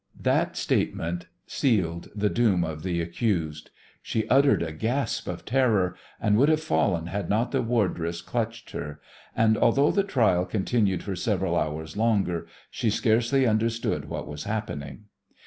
That statement sealed the doom of the accused. She uttered a gasp of terror, and would have fallen had not the wardress clutched her, and although the trial continued for several hours longer she scarcely understood what was happening.